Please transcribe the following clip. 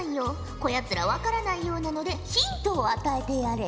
こやつら分からないようなのでヒントを与えてやれ。